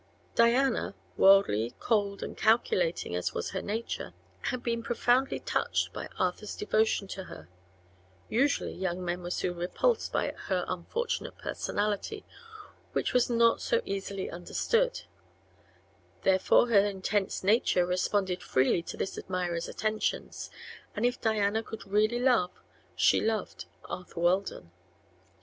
Diana, worldly, cold and calculating as was her nature, had been profoundly touched by Arthur's devotion to her. Usually young men were soon repulsed by her unfortunate personality, which was not easily understood. Therefore her intense nature responded freely to this admirer's attentions, and if Diana could really love she loved Arthur Weldon.